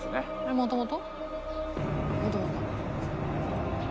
もともと」